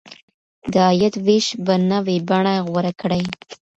د عاید وېش به نوې بڼه غوره کړي.